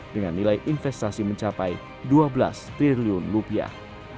dengan nilai investasi mencapai dua belas triliun rupiah